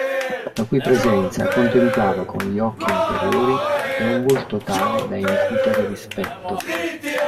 La cui presenza contemplava con gli occhi interiori e un volto tale da incutere rispetto.